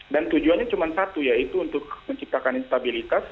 dan tujuannya cuma satu yaitu untuk menciptakan instabilitas